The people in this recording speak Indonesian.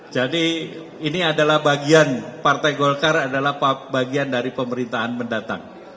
jadi ini adalah bagian partai golkar adalah bagian dari pemerintahan mendatang